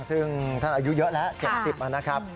ซึ่งท่านอายุเยอะแล้ว๗๐นะครับ